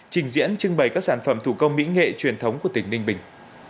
trình diễn trưng bày các sản phẩm thủ công mỹ nghệ truyền thống của tỉnh ninh bình